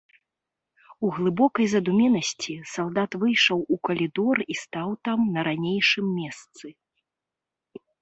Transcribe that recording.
У глыбокай задуменнасці салдат выйшаў у калідор і стаў там на ранейшым месцы.